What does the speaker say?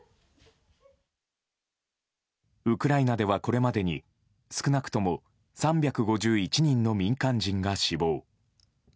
ウクライナでは、これまでに少なくとも３５１人の民間人が死亡。